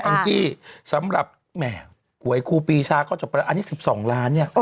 งจี้สำหรับแหมหวยครูปีชาก็จบไปแล้วอันนี้๑๒ล้านเนี่ย